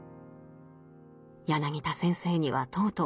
「柳田先生にはとうとう負けたね。